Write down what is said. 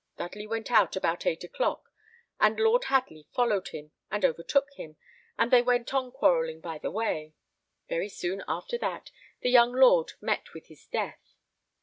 Dudley went out about eight o'clock, and Lord Hadley followed him and overtook him, and they went on quarrelling by the way. Very soon after that the young lord met with his death.